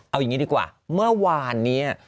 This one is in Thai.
เอายังงี้ดีกว่าเมื่อวานเนี่ย